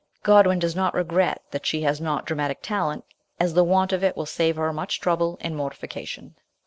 Godwin does not regret that she has not dramatic talent, as the want of it will save her much trouble and mortification.